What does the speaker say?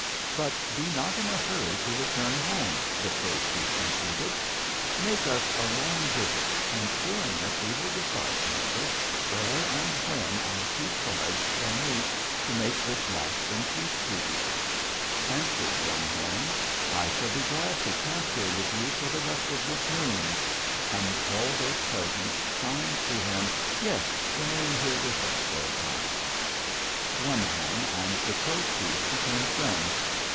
"'But be not in a hurry to return home,' the Crow chief concluded. 'Make us a long visit, and during it we will decide together where and when our two tribes shall meet to make this lasting peace treaty.' "Answered One Horn: 'I shall be glad to camp here with you for the rest of this moon.' And all those present signed to him: 'Yes. Remain here with us for a time.' "One Horn and the Crow chief became friends.